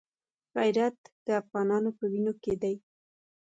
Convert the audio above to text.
غیرت د افغانانو په وینو کې دی.